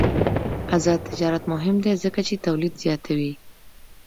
آزاد تجارت مهم دی ځکه چې تولید زیاتوي.